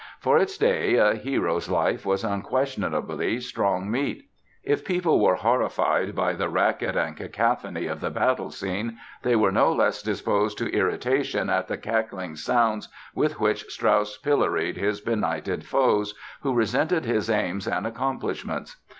For its day A Hero's Life was unquestionably strong meat. If people were horrified by the racket and cacophony of the battle scene they were no less disposed to irritation at the cackling sounds with which Strauss pilloried his benighted foes who resented his aims and accomplishments.